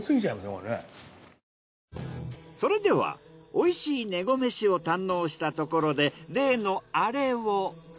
それではおいしいねごめしを堪能したところで。